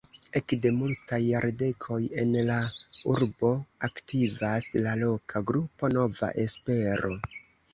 Ekde multaj jardekoj en la urbo aktivas la loka grupo "Nova Espero".